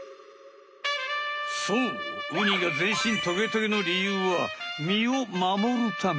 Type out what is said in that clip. そうウニが全身トゲトゲのりゆうは身を守るため。